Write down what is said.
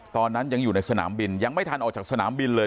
ตอนนั้นยังอยู่ในสนามบินยังไม่ทันออกจากสนามบินเลย